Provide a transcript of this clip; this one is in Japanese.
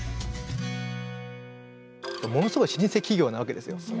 ものすごい老舗企業なわけですよ。